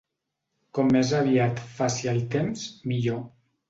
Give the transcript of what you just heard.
Com més aviat faci el temps, millor.